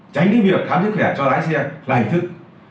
tránh đến việc khám sức khỏe cho lái xe là hình thức